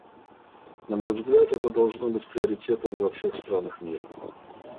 На мой взгляд, это должно быть приоритетом во всех странах мира.